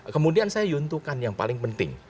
kemudian saya yuntukan yang paling penting